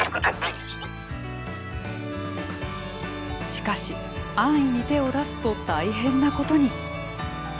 しかし安易に手を出すと大変なことに。